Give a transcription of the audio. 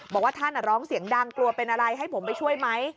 บอกว่าท่านร้องเสียงดังกลัวเป็นอะไรให้ผมไปช่วยไหม